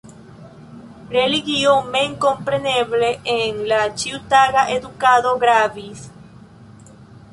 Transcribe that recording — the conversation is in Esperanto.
Religio memkompreneble en la ĉiutaga edukado gravis.